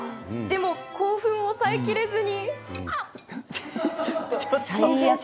でも、興奮を抑えきれず。